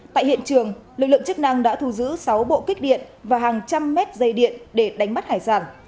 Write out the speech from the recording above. tại hiện trường lực lượng chức năng đã thu giữ sáu bộ kích điện và hàng trăm mét dây điện để đánh bắt hải sản